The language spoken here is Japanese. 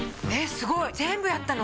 すごい全部やったの？